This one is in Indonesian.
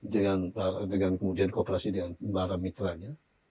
dengan kemudian kooperasi dengan para mitranya